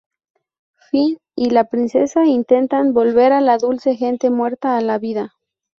Finn y la princesa intentan volver a la Dulce Gente muerta a la vida.